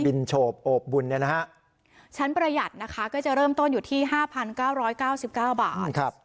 โฉบโอบบุญเนี่ยนะฮะชั้นประหยัดนะคะก็จะเริ่มต้นอยู่ที่๕๙๙๙บาท